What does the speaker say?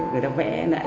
người thợ vẽ lại